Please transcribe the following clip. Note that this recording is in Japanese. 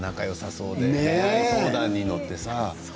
相談に乗って。